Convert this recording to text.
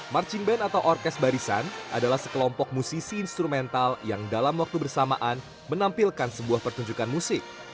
marching band atau orkes barisan adalah sekelompok musisi instrumental yang dalam waktu bersamaan menampilkan sebuah pertunjukan musik